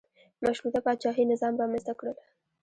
مشروطه پاچاهي نظام رامنځته کړل.